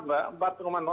berapa pak susulannya